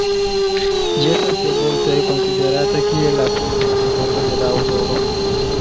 Ĝi estas de multaj konsiderata kiel la plej bona verko de la aŭtoro.